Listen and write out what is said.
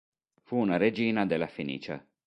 Fu una regina della Fenicia.